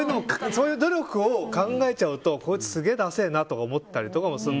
そういう努力を考えちゃうとこいつすげぇだせぇなって思ったりする。